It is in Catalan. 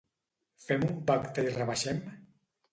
Fem un pacte i rebaixem?